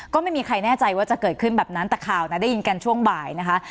ก็ไม่มีใครแน่ใจว่าจะเกิดขึ้นแบบนั้นแต่ข่าวนะได้ยินกันช่วงบ่ายนะคะ